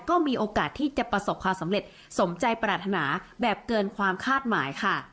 ก็มีโอกาสที่จะประสบความสำเร็จสมใจปรารถนาแบบเกินความคาดหมายค่ะ